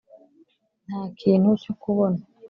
nta kintu cyo kubona.